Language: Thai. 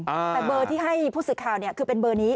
แต่เบอร์ที่ให้พูดสิทธิ์ข่าวคือเป็นเบอร์นี้